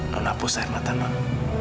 non hapus air mata non